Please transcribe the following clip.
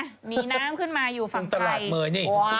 หนีน้ำขึ้นมาอยู่ฝั่งไทยนี่